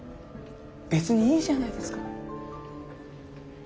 別にいいじゃないですか。